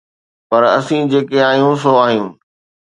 پر اسين جيڪي آهيون سو آهيون.